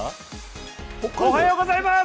おはようございます。